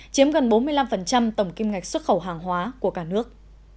chiếm gần bốn mươi năm tổng kim ngạch xuất khẩu hàng hóa của cả nước